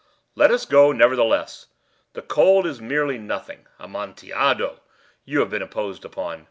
"Let us go, nevertheless. The cold is merely nothing. Amontillado! You have been imposed upon.